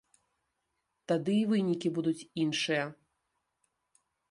Тады і вынікі будуць іншыя.